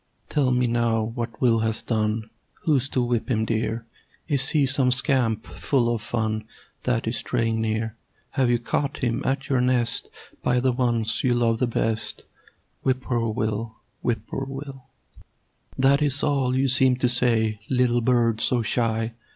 Tell me now what Will has done. Who's to whip him, dear? Is he some scamp full of fun That is straying near? Have you caught him at your nest By the ones you love the best? "Whip poor Will! Whip poor Will!" That is all you seem to say, Little bird so shy.